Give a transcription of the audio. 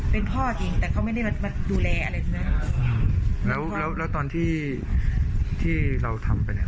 เป็นพ่อจริงแต่เขาไม่ได้มาดูแลอะไรใช่ไหมแล้วแล้วตอนที่ที่เราทำไปเนี้ย